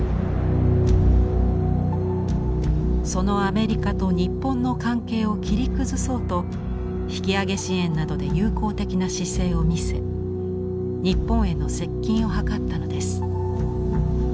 そのアメリカと日本の関係を切り崩そうと引き揚げ支援などで友好的な姿勢を見せ日本への接近を図ったのです。